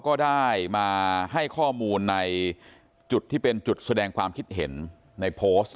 ก็ได้มาให้ข้อมูลในจุดที่เป็นจุดแสดงความคิดเห็นในโพสต์